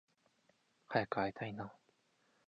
早く会いたいな